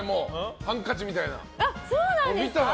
ハンカチみたいな。